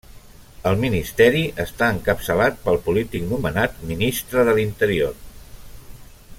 El ministeri està encapçalat pel polític nomenat Ministre de l'Interior.